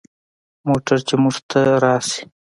موټر چې موږ ته راسي.